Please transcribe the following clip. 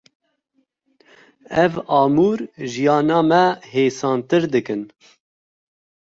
Ev amûr jiyana me hêsantir dikin.